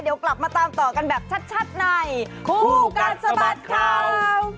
เดี๋ยวกลับมาตามต่อกันแบบชัดในคู่กัดสะบัดข่าว